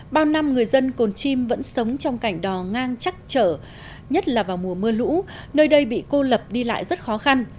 bao năm người dân cồn chim vẫn sống trong cảnh đò ngang chắc chở nhất là vào mùa mưa lũ nơi đây bị cô lập đi lại rất khó khăn